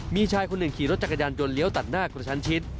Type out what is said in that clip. มีชายคนหนึ่งขี่รถจักรยานยนต์เลี้ยวตัดหน้ากระชั้นชิด